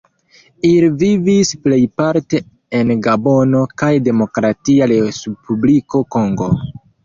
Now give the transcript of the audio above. Ili vivas plejparte en Gabono kaj Demokratia Respubliko Kongo.